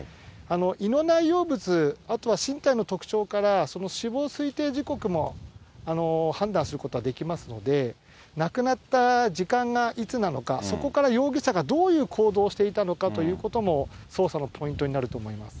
胃の内容物、あとは身体の特徴から、その死亡推定時刻も判断することはできますので、亡くなった時間がいつなのか、そこから容疑者がどういう行動をしていたのかということも、捜査のポイントになると思います。